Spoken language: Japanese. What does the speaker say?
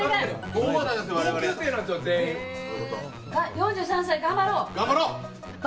４３歳、頑張ろう。